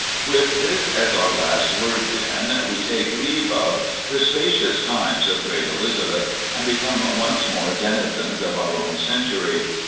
With this as our last word, then, we take leave of "the spacious times of great Elizabeth," and become once more denizens of our own century.